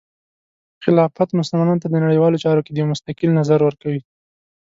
خلافت مسلمانانو ته د نړیوالو چارو کې د یو مستقل نظر ورکوي.